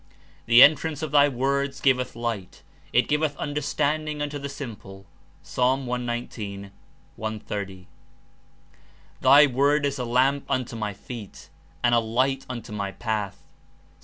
'^The entrance of thy words giveth light; it giveth understanding unto the simple.'' (Ps. 119. 130.) ''Thy word is a lamp unto my feet, and a light unto my path/' (Ps.